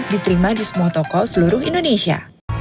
diterima di semua toko seluruh indonesia